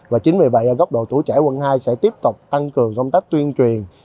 và chính vì vậy góc độ tuổi trẻ quân hai sẽ tiếp tục tăng cường công tác tuyên truyền